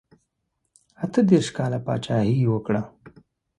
اته دېرش کاله پاچهي یې وکړه.